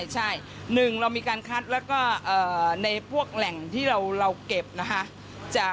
ใช่หนึ่งเรามีการคัดแล้วก็ในพวกแหล่งที่เราเก็บนะคะ